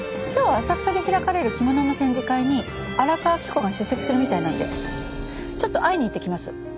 今日浅草で開かれる着物の展示会に荒川着子が出席するみたいなんでちょっと会いに行ってきます。